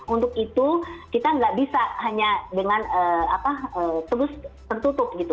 untuk itu kita nggak bisa hanya dengan terus tertutup gitu